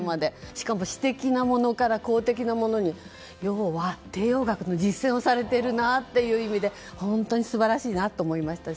しかも私的なものから公的なものに帝王学の実践をしているなと本当に素晴らしいなと思います。